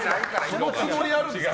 そのつもりあるんですか？